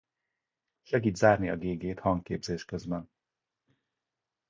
Segíti zárni a gégét hangképzés közben.